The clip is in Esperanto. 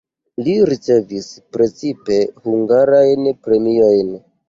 Li ricevis precipe hungarajn premiojn.